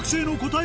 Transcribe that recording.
え！